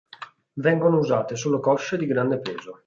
Vengono usate solo cosce di grande peso.